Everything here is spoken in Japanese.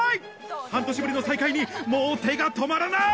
半年ぶりの再会にもう手が止まらない！